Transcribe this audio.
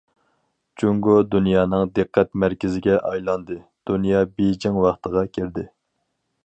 جۇڭگو دۇنيانىڭ دىققەت مەركىزىگە ئايلاندى، دۇنيا بېيجىڭ ۋاقتىغا كىردى.